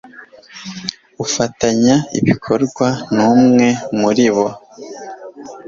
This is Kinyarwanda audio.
ufatanya ibikorwa n umwe muri bo